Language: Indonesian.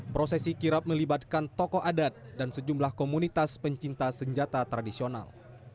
prosesi kirap melibatkan tokoh adat dan sejumlah komunitas pencinta senjata tradisional